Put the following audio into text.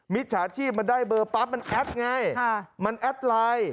จฉาชีพมันได้เบอร์ปั๊บมันแอดไงมันแอดไลน์